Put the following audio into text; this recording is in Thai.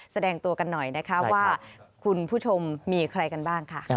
แสดงตัวกันหน่อยนะคะว่าคุณผู้ชมมีใครกันบ้างค่ะ